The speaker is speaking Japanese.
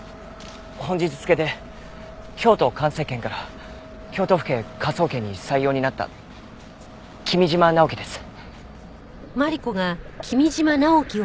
本日付で京都環生研から京都府警科捜研に採用になった君嶋直樹です。